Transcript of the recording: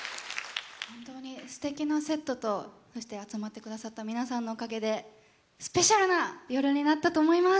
本当にすてきなセットとそして集まってくださった皆さんのおかげでスペシャルな夜になったと思います。